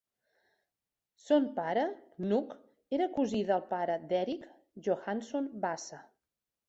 Son pare, Knut, era cosí del pare d'Erik Johansson Vasa.